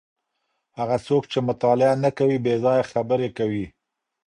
هغه څوک چي مطالعه نه کوي بې ځایه خبري کوي.